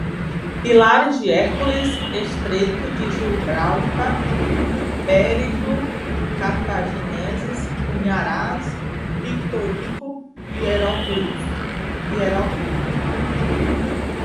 Pilares de Hércules, estreito de Gibraltar, périplo, cartagineses, cunharam, pictórico, hieróglifos